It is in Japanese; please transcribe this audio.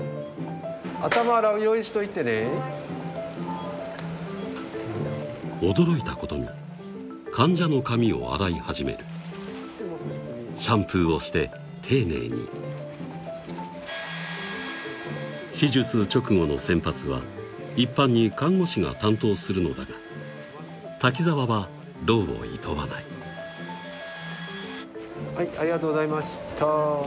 はい驚いたことに患者の髪を洗い始めるシャンプーをして丁寧に手術直後の洗髪は一般に看護師が担当するのだが瀧澤は労をいとわないはいありがとうございました